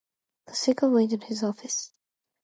I'm sick of waiting around his office.